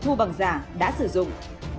thu bằng giả đã sử dụng